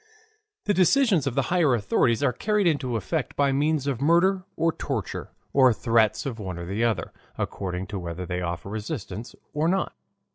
The decisions of the higher authorities are carried into effect by means of murder or torture, or threats of one or the other, according to whether they offer resistance or not.